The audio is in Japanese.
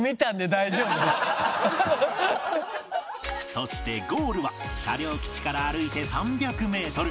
そしてゴールは車両基地から歩いて３００メートル